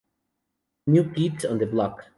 New Kids on the Block